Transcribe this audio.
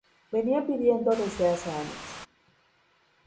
venía pidiendo desde hace años